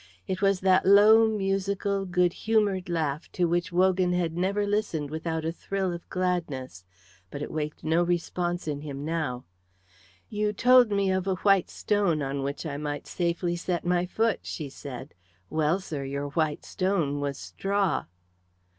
It was that low musical, good humoured laugh to which Wogan had never listened without a thrill of gladness, but it waked no response in him now. "You told me of a white stone on which I might safely set my foot," she said. "Well, sir, your white stone was straw."